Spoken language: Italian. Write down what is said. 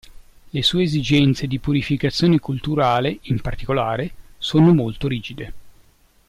Le sue esigenze di purificazione culturale, in particolare, sono molto rigide.